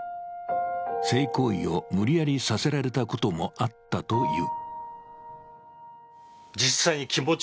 性行為を無理やりさせられたこともあったという。